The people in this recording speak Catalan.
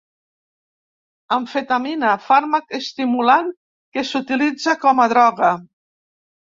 Amfetamina, fàrmac estimulant que s'utilitza com a droga.